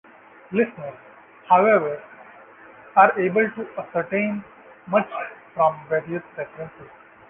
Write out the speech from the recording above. Listeners, however, are able to ascertain much from various references.